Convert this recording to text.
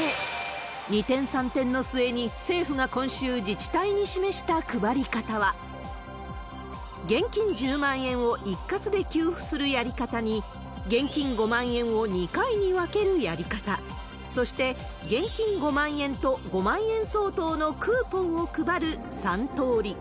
二転三転の末に、政府が今週、自治体に示した配り方は、現金１０万円を一括で給付するやり方に、現金５万円を２回に分けるやり方、そして、現金５万円と５万円相当のクーポンを配る３通り。